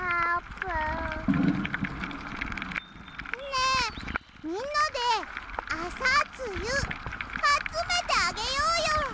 ねえみんなであさつゆあつめてあげようよ！